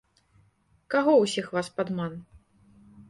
Каго ўсіх вас падман?